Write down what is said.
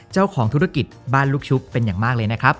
เจ้าของธุรกิจบ้านลูกชุบเป็นอย่างมากเลยนะครับ